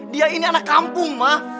dia ini anak kampung